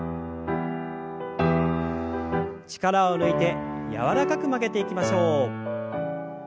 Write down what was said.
力を抜いて柔らかく曲げていきましょう。